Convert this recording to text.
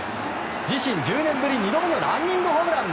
自身１０年ぶり２度目のランニングホームラン。